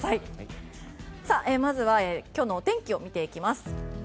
まずは、今日のお天気を見ていきます。